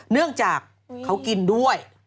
เนื่องจากเขากินด้วย